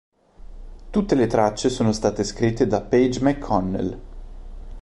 Tutte le tracce sono state scritte da Page McConnell.